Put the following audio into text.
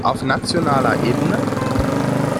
Auf nationaler Ebene?